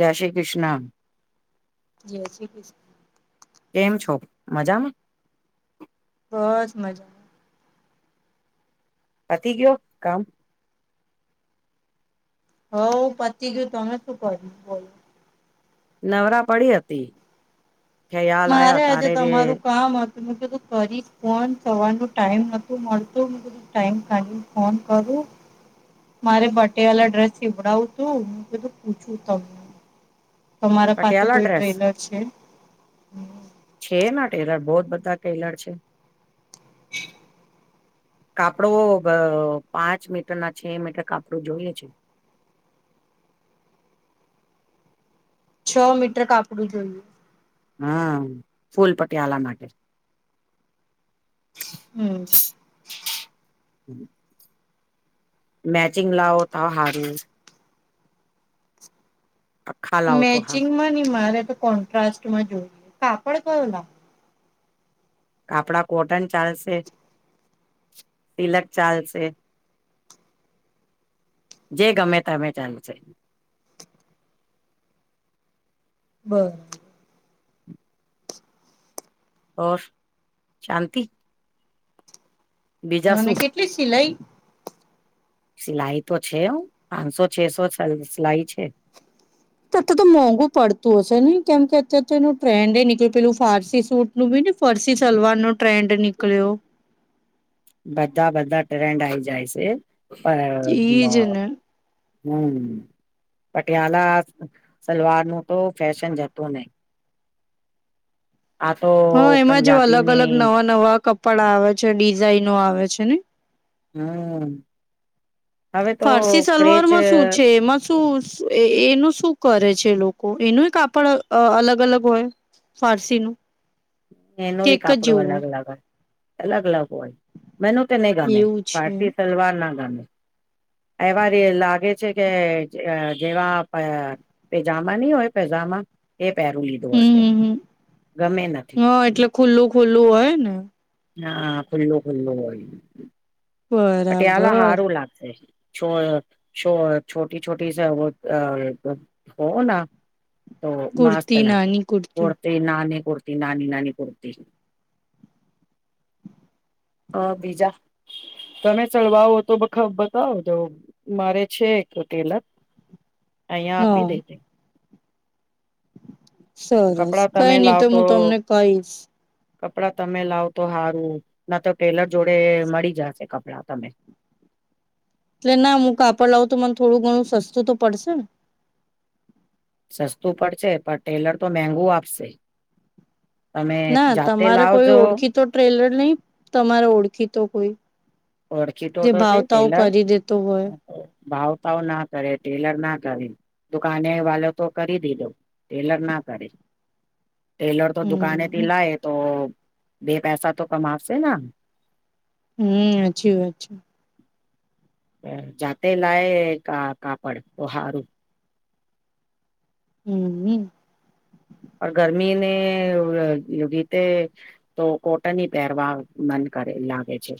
જય શ્રી કૃષ્ણ. જય શ્રી કેમ છો મજામાં? બસ મજા પતિ ગયો કામ? હવ પચી ગયું તમે શું કર્યું બોલ નવરા પડી હતી. ખ્યાલ મારે આવ્યો આજે તારે રે તમારું કામ હત તો બધું કરી ફોન થવારનો ટાઈમ નો મળતો હું બધું ટાઈમ કાઢીને ફોન કરું [unintelligible] મારે પટેવાલા ડ્રેસ એવડાવું તું હું બધું પૂછું ત તમારા પાસે પટિયાલા કોઈ ટ્રેલર છે? છેના ટેલર બહ જ બધા ટેલર છે [inaudible] કાપડો પાંચ મીટર ના છે મીટર કાપડું જોઈએ છે. છ મીટર કાપડું જોઈએ. હમ્મ ફૂલ પટિયાળા માટે. હમ્મ હમ્મ મેચિંગ લાો ત હારું. આખા લાવો તો હારું મેચિંગમાં ની મારે તો કોન્ટ્રાસ્ટમાં જોઈએ કાપડ કયો લાગે આપડા કોટન ચાલશે સિલક ચાલશે. જે ગમે તમે ચાલશે [inaudible] બ ઓર શાંતિ બીજા મને શું કેટલી સિલાઈ સિલાઈ તો છેું પાંચસો છસો સિલાઈ છે. તો તો તો મોંઘુ પડતું હશે નને કેમ કે અત્યારે તો એનું ટ્રેન્ડ એ નીકળી પેલું ફારસી સૂટનું બી ફરશ સલવાર નો ટ્રેન્ડ નીકલ્યો બધા બધા ટ્રેન્ડ આઈ જાય છે. એજ ને [unintelligible] હમ્મ પટિયાલા સલવાર નું તો ફેશન જતું નહી. આ તો હા એમાં જે અલગ અલગ પંજાબીની નવા નવા કપડા આવે છે ડિઝાઇનો આવે છે ને. હમ્મ ફારસી સલવાર માં શું છે એમ. શું એનું શું કરે છે લોકો એનું કાપડ અલગ અલગ હોય? ફારસીનું. એનો કે ભી એક જ કાપડો અલગ જેવું અલગ હોય, અલગ અલગ. મેનુ કેને હોય ગમે એવું છે ફારતી સલવાર ના ગમે. એવા લાગે છે કે, જેવા પાયજમા ની હોય પેજા. એ પહેરું લીધું હમ હોજે હમ ગમે નથી. હા એટલે ખુલ્લું ખુલ્લું હોય ને. હા, ખુલ્લો-ખુલ્લો હોય, પટિયાલા બરાબર સારું લાગશે. છ છ છોટી છોટી હો ના. તો માસ્ત કુર્તી લાગે નાની કુર્તી ઓરતે નાને. કુરતી નાની નાની કુરતી. હા, બીજા. તમે ચળવાવો તો બતાવોજ મારે છે એક ટ્રેલર. અહીયા આપી હા દે છે. સરસ કપડા કંઈ તમે નહીં તો હું, તમને કહીશ. કપડાં તમે લાવ તો સારું, ના તો ટેલર જોડે મળી જશે કપડા તમે? [unintelligible] એટલે ના, હું કાપડ લાવું તો મને થોડું ઘણું સસ્તું તો પડશે ને. સસ્તું પડશે, પણ ટેલર તો મેધુ આપશે. તમે ના, જાતે તમારે કોઈ લાવજો ઓળખી તો ટ્રેલર નઈ? તમારે ઓળખી તો. ઓળખીતો જે તો છે ભાવતાઓ ટેલર. કરી દેતો હોય ભાવ ભાવ ના કરે ટેલર ના કરે. દુકાને વાલો તો કરી દીધો ટેલર ના કરે. ટેલર તો દુકાનેથી હમ લાય, તો બે પૈસા તો કમાશે ના. હમ, સાચી વાત છે. જાતે લાય કા કાપડ તો હારું. હમ હ [unintelligible] ગરમીને લીધે તો કોટન હ પહેરવા મન. લે છે,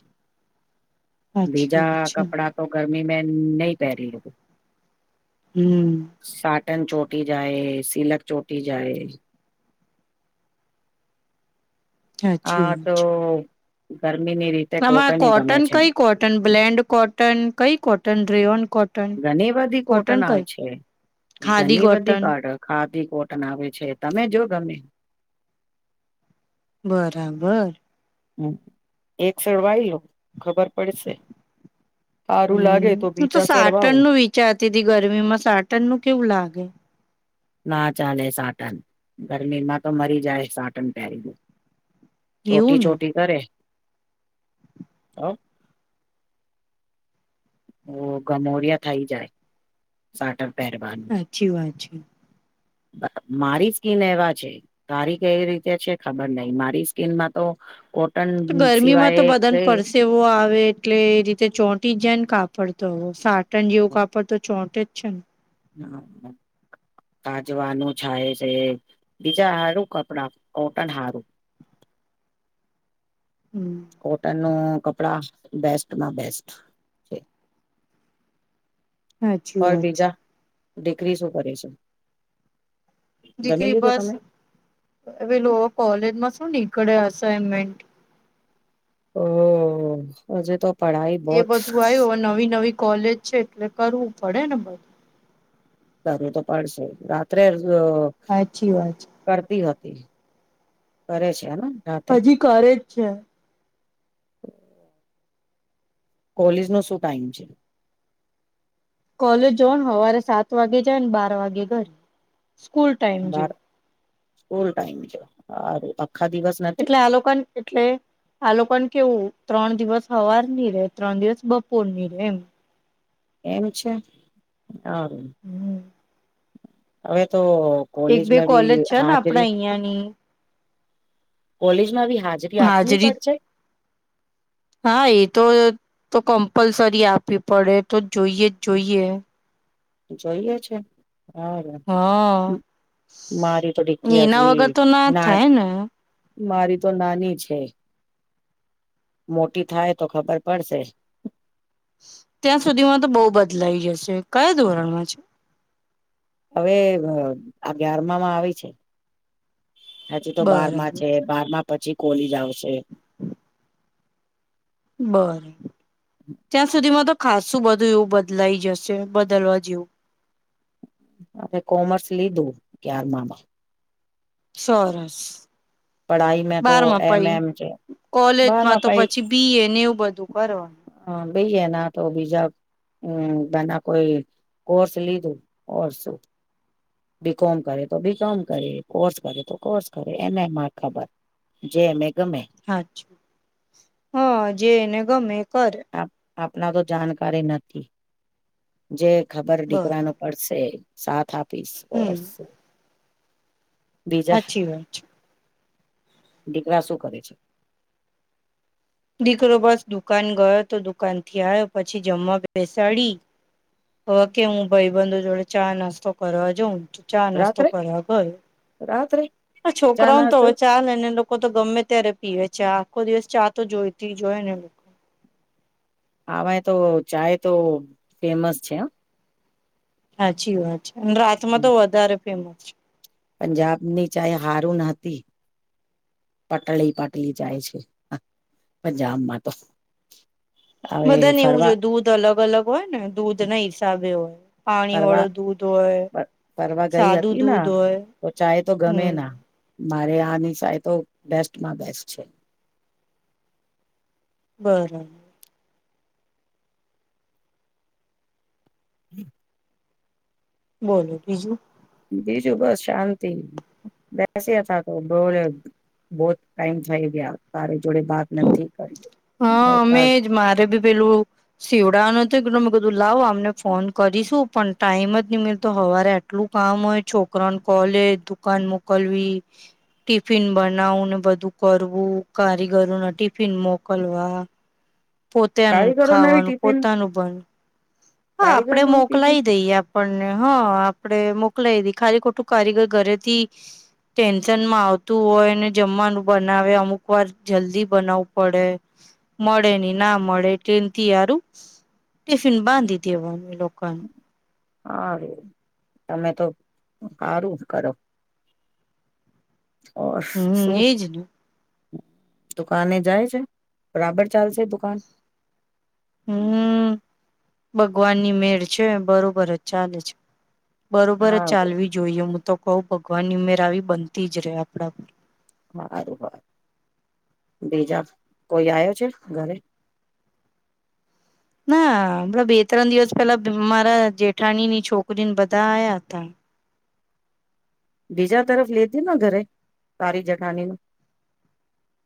સાચી બીજા વાત છે કપડા તો ગ મે નહીં પહેરે, લોકો. હમ. કોટન ચોટી જાય, સિલક ચોટી જાય. [unintelligible] સાચી હા, વાત તો છે ઘર આમાં કોટન કંઈ, કોટન બ્લેન્ડ, કોટન કંઈ કોટન રિયોન કોટન. ઘણી બધી કોટન આવે છે, ખાદી ઘણી બધી કોટન કટ. કોટન આવે છે, તમે જો ગમે બરાબર. હ, એક સડવાય લો. ખબર પડશે, હા. હમ, હું તો સાટણ નું વિચારતી હતી. ગરમીમાં સાટણ નું કેવું લાગે? ના, ચાલે સાટન? ગરમીમાં તો મરી જાય સાટન પહેરી દું એવું ચોટી ને ચોટી કરે ચ ઓ ગમોરિયા થઈ જાય સાટક સાચી વાત છે. મારી સ્કીિન એવા છે, તારી કેવી રીતે છે ખબર નહિં. મારી સ્કીિનમાં તો ક [unintelligible] તો ગરમીમાં તો બદન પરસેવો આવે. એટલે એ રીતે ચોંટી જ જાય ને, કાપડ તો સાટન જેવું કાપડ તો ચોંટે જ છે ને. હમ [unintelligible] કાજવાનું જાય છે, બીજા હારું કપડા કોટન હારું. હમ કોટન ન કપડા બેસ્ટમાં બેસ્ટ છે. સાચી પણ વાત છે. બીજા દીકરી શું કરે છે જમી દીકરી લીધું બસ તમે હવે લો કોલેજમાં શું ની કડ અસાઇનમેન્ટ હ હજ તો પઢાઈ એ બહોત બધું આવ્યું નવી નવી કોલેજ છે એટલે કરવું પડે ને બધું કરવુ તો પડશે રાત્રે સાચી વાત છે. કરતી હોતી કરે છે. હેને હજી ઘરે જ છે. હમ કોલેજ નો શું ટાઈમ છે. કોલેજ જ ને સવારે સાત વાગે જાય ને બાર વાગે ઘરે સ્કૂલ ટાઈમ જવ. બાર સ્કૂલ ટાઈમ છે હ એટલે આલોકન એટલે આલોકન કેવું ત્રણ દિવસ હવાર ની રહે ત્રણ દિવસ બપોર ની ર રહે એમ એમ છે હમ હવે તો એક બે કોલેજમાં કોલેજ ભી છે ને આપડા હાજરી અહિયાંની કોલેજમાં બ હાજરી આપવી પડશે. હા એ તો તો કમ્પલસરી આપવી પડે તો જોઈએ જ જોઈએ. જોઈએ છે હ હા મારી તો ડિકરી એના હજી વગર તો ના થાય ને. મારી તો નાની છે. મોટી થાય તો ખબર પડશે. ત્યાં સુધીમાં તો બહ બદલાઈ જશે કયા ધોરણમાં છે. હવે અગયારમામાં આવી છે. હજુ તો બારમાં બરાબર છે બાર પછી કોલીજ આવશે. બરાબર ત્યાં સુધીમાં તો ખાસું બધું એવું બદલાઈ જશે બદલવા જેવું. આપે કોમર્સ લીધું ગ્યાર મામાં સરસ [unintelligible] પડાઈ મે તો બારમાં એમ પઈ એમ છે. કોલેજમાં બારમાં તો પાઈ પછી બી એ ને એવું બધું કરવાનું બી એ ના તો બીજા હમ તા ના કોઈ કોર્સ લીધું ઓર શું બીકોમ કરે તો બીકોમ કરે કોર્સ કરે તો કોર્સ કરે એને એમાં ખબર જે મે હા અચ્છા હા જે એને ગમે એ કરે આપના તો જાણકારી નથી જે ખબર બરાબર. દીકરા ને પડશે સાથ આપીશ ઓર હમ શું હાચી વાત છે દીકરા શું કરે છે દીકરો બસ દુકાન ગયો તો દુકાન થી આયો પછી જમવા બેસાડી હવે કે હું ભાઈબંધો જોડે ચા નાસ્તો કરવા જોઉં તો ચા નાસ્તો રાત્રે કરવા ગયો રાત્રે આ ચા છોકરાઓને તો નાસ્તો હવે ચાલે ને લોકો તો ગમે ત્યારે પીવે છે ચા આખો દિવસ ચા તો જોઈતી જ હોય ને લોકો ને આમાંય તો ચાય તો ફેમસ છે એમ સાચી વાત છે અને રાતમાં તો વધારે ફેમસ પંજાબની ચાહે હારુ, ના હતી. પટળી, પટલી ચાય છે, પંજાબમાં તો હવે બધા ને એવું જ ફરવા હોય, દૂધ અલગ અલગ હોય, ને દૂધ ના હિસાબે, હોય પાણી વાળુ ફરવા દૂધ હોય, ફરવા ગઈ સાદુ હતી ને દૂધ હોય. તો, ચાય તો ગમે હમ ના? મારે આની સાય તો, બેસ્ટમાં બેસ્ટ છે. બરા [inaudible] બોલો બીજું બીજું બસ, શાંતિ બેસ્યા હતા તો બઉ બહોત ટાઈમ થઈ ગયા તારી જોડે બાત નથી કરી હા અમે જ મારે ભી પેલું સીવડાવાનું તો એકદમ મે કીધું લાવ અમને ફોન કરીશું પણ ટાઈમ જ, નહી મળતો હવારે આટલું કામ હોય છોક કરાન કોલેજ દુકાન મોકલવી ટિફિન બનાવું ને બધું કરવું કારીગરોના ટિફિન મોક મોકલવા પોતેનું કારીગરો ન ખાવાનું, ટિફિન પોતાનું બન હા કારીગર આપડે નું ટિફિન મોકલાય દઈએ આપણને હા આપડે મોકલાયદી ખાલી, ખોટું કારીગર ઘરેથી ટેન્શનમાં આવતું હોય ને જમવાનું બનાવે અમુક વાર જલ્દી બનાવવું પડે મળે ને ના મળે, ટેનથી હારુ ટિફિન બાંધી દેવાનું લોકનું હા અવે તમે તો હારુ કરો અ હમ શું એજ ને દુકાને જાય છે, બરાબર ચાલશે દુકાન હમ ભગવાનની મેળ છે બરોબર જ ચાલે છે. બરોબર જ હારું ચાલવી, જોઈએ હું તો કઉ ભગવાનની ઉમેર આવી બનતી જ રે આપડા પર હારુ હાર બીજા કોઈ આયો છે, ઘરે [inaudible] ના હમણા બે ત્રણ દિવસ પેલા, મારા જેઠાણી ની છોકરીને બધા આયા હતા બીજા તરફ લેતી ને ઘરે તારી જેઠાનીનું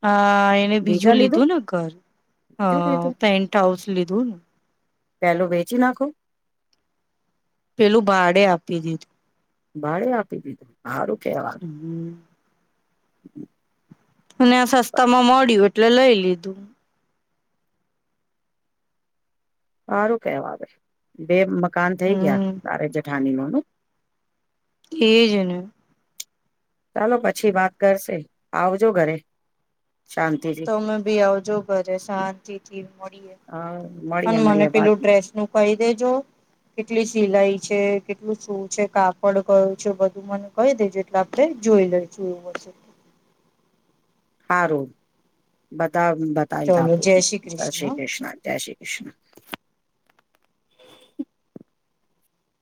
હા, એને બીજું લીધું ને ઘર બીજું હા, લીધું પેન્ટહાઉસ લીધું ને પેલું વેચી નાખો પેલું ભાડે આપી દીધું ભાડે આપી દીધું હારું કેવા હમ, અને આ સસ્તા માં મળ્યું, એટલે લઈ લીધું હારું કેવા, આવે બે મકાન થઇ ગયા હમ તારે જઠાનીઓનું એજ ને ચાલો, પછી વાત કરશે આવજો ઘરે શાંતિથી તમે ભી આવજો ઘરે, શાંતિ થી મળીએ હા મળીએ હનુમાનને મળીએ વાત પેલું ડ્રેસ નું કહી દેજો કેટલી સિલાઈ છે, કેટલું સું છે કાપડ કયું છે બધું મને કઈ દે, જેટલે આપણે જો જોઈ લે જોયું હા હારું બ બતાઈદાપૂર્, જય શ્રી કૃષ્ણ, જય શ્રી કૃષ્ણ